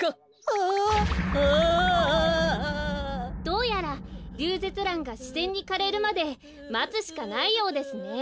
どうやらリュウゼツランがしぜんにかれるまでまつしかないようですね。